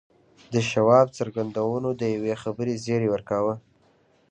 د شواب څرګندونو د یوې خبرې زیری ورکاوه